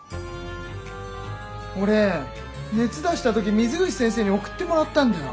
俺熱出した時水口先生に送ってもらったんだよ。